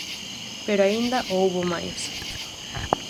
Pero aínda houbo máis.